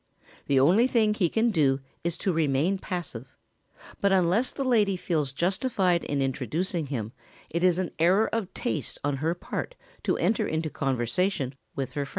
The only thing he can do is to remain passive, but unless the lady feels justified in introducing him it is an error of taste on her part to enter into conversation with her friends.